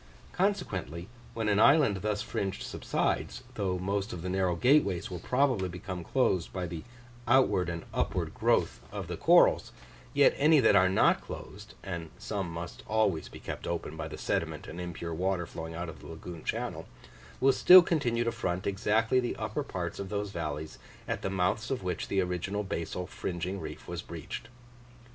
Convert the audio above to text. Consequently, when an island thus fringed subsides, though most of the narrow gateways will probably become closed by the outward and upward growth of the corals, yet any that are not closed (and some must always be kept open by the sediment and impure water flowing out of the lagoon channel) will still continue to front exactly the upper parts of those valleys, at the mouths of which the original basal fringing reef was breached.